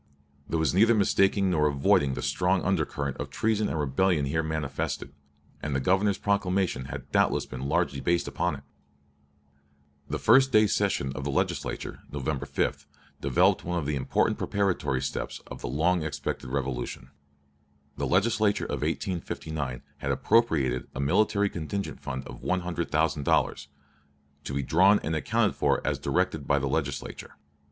There was neither mistaking nor avoiding the strong undercurrent of treason and rebellion here manifested, and the Governor's proclamation had doubtless been largely based upon it. South Carolina, "House Journal," Called Session, 1860, pp. 13, 14. The first day's session of the Legislature (November 5) developed one of the important preparatory steps of the long expected revolution. The Legislature of 1859 had appropriated a military contingent fund of one hundred thousand dollars, "to be drawn and accounted for as directed by the Legislature."